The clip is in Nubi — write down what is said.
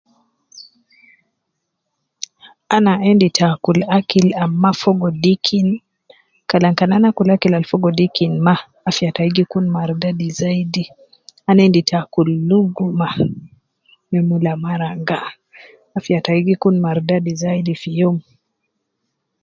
Ana endi te akul akil ab ma fogo dikin, Kalam kan ana akul akil ab fogo dikin ma, afiya tai gi kun mardadi zaidi, ana endi te akul luguma me mula maraga, afiya tai gi kun mardadi zaidi fi youm